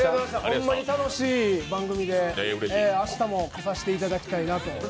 ほんまに楽しい番組で明日も来させたいただきたいなと。